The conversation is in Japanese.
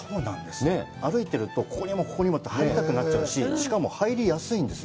歩いてると、ここにもここにもって入りたくなっちゃうし、しかも、入りやすいんですよ。